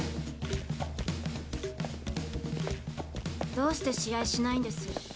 どうして試合しないんです？